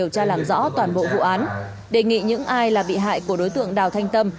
điều tra làm rõ toàn bộ vụ án đề nghị những ai là bị hại của đối tượng đào thanh tâm